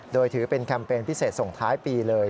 โดยถือเป็นแคมเปญพิเศษส่งท้ายปีเลย